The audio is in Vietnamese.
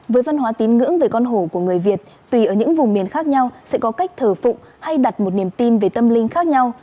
với văn hóa tín ngưỡng về con hổ của người việt tùy ở những vùng miền khác nhau sẽ có cách thờ phụng hay đặt một niềm tin về tâm linh khác nhau